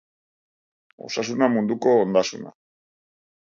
Osasuna munduko ondasuna.